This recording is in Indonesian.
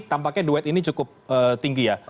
tampaknya duet ini cukup tinggi ya